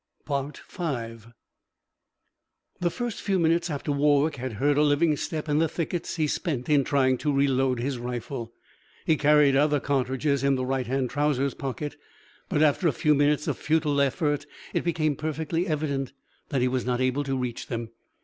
V The first few minutes after Warwick had heard a living step in the thickets he spent in trying to reload his rifle. He carried other cartridges in the right hand trousers pocket, but after a few minutes of futile effort it became perfectly evident that he was not able to reach them.